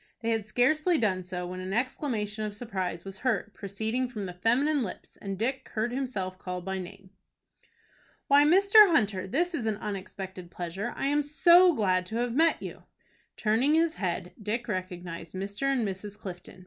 They had scarcely done so, when an exclamation of surprise was heard, proceeding from feminine lips, and Dick heard himself called by name. "Why, Mr. Hunter, this is an unexpected pleasure. I am so glad to have met you." Turning his head, Dick recognized Mr. and Mrs. Clifton.